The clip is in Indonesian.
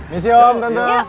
miss you muntung muntung